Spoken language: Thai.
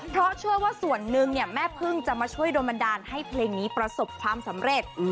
เพราะเชื่อว่าส่วนหนึ่งแม่พึ่งจะมาช่วยโดนบันดาลให้เพลงนี้ประสบความสำเร็จ